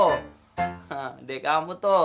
hah adik kamu tuh